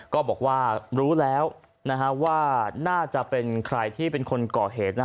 ก็บอกว่ารู้แล้วว่าน่าจะเป็นใครที่เป็นคนก่อเหตุ